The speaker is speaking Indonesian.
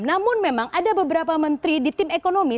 namun memang ada beberapa menteri di tim ekonomi